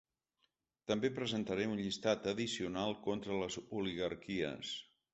També presentaré un llistat addicional contra els oligarques.